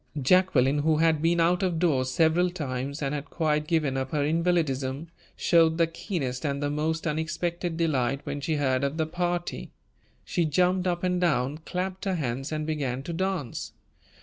Jacqueline, who had been out of doors several times and had quite given up her invalidism, showed the keenest and the most unexpected delight when she heard of the party. She jumped up and down, clapped her hands, and began to dance.